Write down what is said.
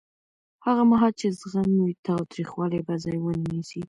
هغه مهال چې زغم وي، تاوتریخوالی به ځای ونه نیسي.